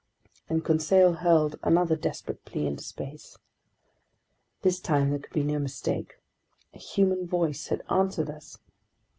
And Conseil hurled another desperate plea into space. This time there could be no mistake! A human voice had answered us!